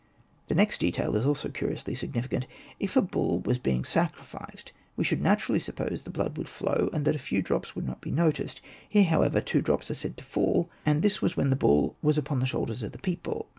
The next detail is also curiously significant. If a bull was being sacrificed we should naturally suppose the blood would fiow, and that a few drops would not be noticed. Here, however, two drops are said to fall, and this was when the bull " was upon the shoulders of the people.''